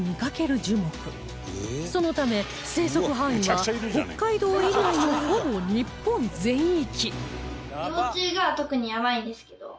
そのため生息範囲は北海道以外のほぼ日本全域